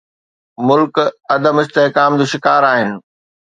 ملڪ عدم استحڪام جو شڪار آهن.